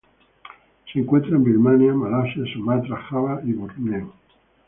Se encuentra en Birmania, Malasia, Sumatra, Java y Borneo.